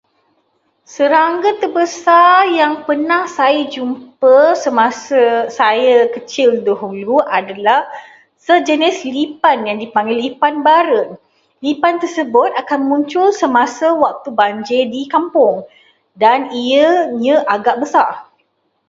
Serangga terbesar yang pernah saya jumpa semasa saya kecil dahulu adalah sejenis lipan yang dipanggil lipan bara. Lipan tersebut akan muncul semasa banjir di kampung dan ia agak besar.